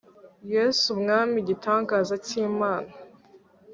yesu, umwami, igitangaza cyimana